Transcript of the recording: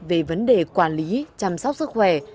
về vấn đề quản lý chăm sóc sức khỏe